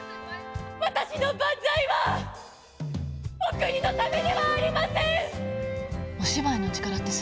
私の万歳はお国のためではありません。